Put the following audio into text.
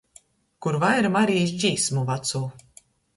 Kur vaira Marijis dzīšmu, vacū.